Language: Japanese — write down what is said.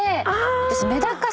私。